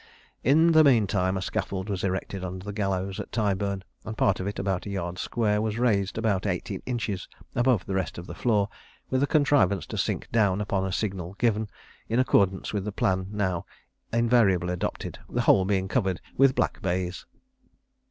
In the mean time a scaffold was erected under the gallows at Tyburn, and part of it, about a yard square, was raised about eighteen inches above the rest of the floor, with a contrivance to sink down upon a signal given, in accordance with the plan now invariably adopted; the whole being covered with black baize.